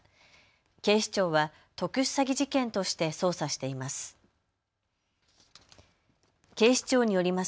警視庁は特殊詐欺事件として捜査しています。